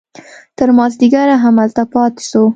تر مازديګره هملته پاته سو.